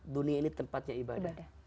dunia ini tempatnya ibadah